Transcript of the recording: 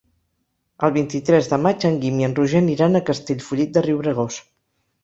El vint-i-tres de maig en Guim i en Roger aniran a Castellfollit de Riubregós.